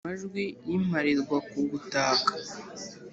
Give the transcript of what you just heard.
gwiza ayo majwi y'imparirwakugutaka !